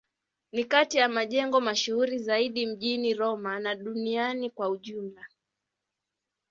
Ni kati ya majengo mashuhuri zaidi mjini Roma na duniani kwa ujumla.